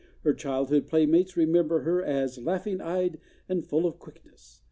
Her childhood playmates remember her as "laughing eyed and full of quickness."